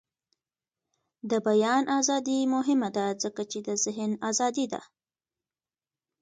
د بیان ازادي مهمه ده ځکه چې د ذهن ازادي ده.